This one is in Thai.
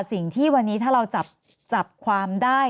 สิ่งที่วันนี้ถ้าเราจับความได้